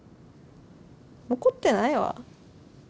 怒ってないわ。